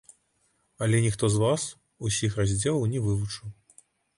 Але ніхто з вас усіх раздзелаў не вывучыў.